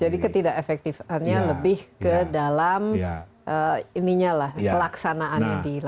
jadi ketidak efektifannya lebih ke dalam pelaksanaannya di lapangan